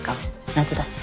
夏だし。